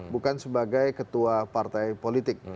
bukan sebagai ketua partai politik